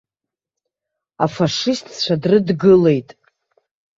Афашистцәа дрыдгылеит.